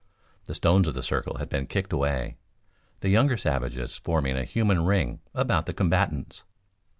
The stones of the circle had been kicked away, the younger savages forming a human ring about the combatants.